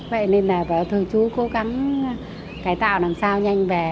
vậy nên là thường chú cố gắng cải tạo làm sao nhanh về